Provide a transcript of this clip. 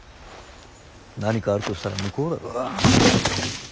何かあるとしたら向こうだろ。